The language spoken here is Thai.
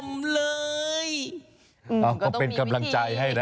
ก็ต้องมีวิธีเขาเป็นกำลังใจให้นะ